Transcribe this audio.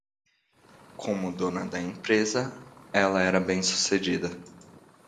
Como dona da empresa, ela era bem-sucedida